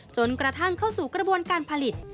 จนกระทั่งเข้าสู่กระบวนการผลิต